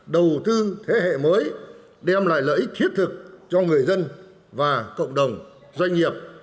đầu tư thế hệ mới đem lại lợi ích thiết thực cho người dân và cộng đồng doanh nghiệp